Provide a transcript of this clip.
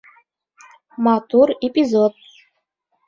Матур эпизод!